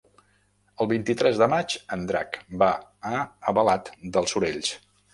El vint-i-tres de maig en Drac va a Albalat dels Sorells.